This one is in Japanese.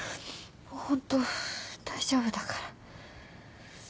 ホント大丈夫だから。